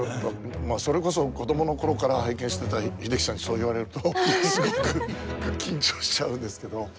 まあそれこそ子供の頃から拝見してた英樹さんにそう言われるとすごく緊張しちゃうんですけど。